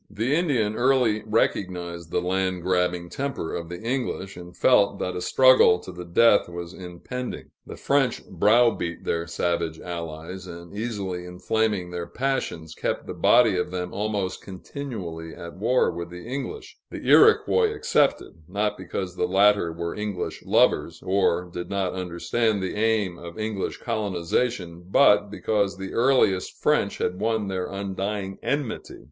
The Indian early recognized the land grabbing temper of the English, and felt that a struggle to the death was impending. The French browbeat their savage allies, and, easily inflaming their passions, kept the body of them almost continually at war with the English the Iroquois excepted, not because the latter were English lovers, or did not understand the aim of English colonization, but because the earliest French had won their undying enmity.